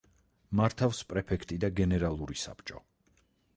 მართავს პრეფექტი და გენერალური საბჭო.